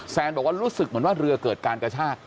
แซนบอกว่ารู้สึกเหมือนว่าเรือเกิดการกระชาก